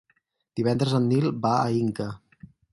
Divendres en Nil va a Inca.